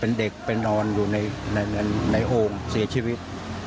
เป็นเด็กไปนอนอยู่ในโอ่งเสียชีวิต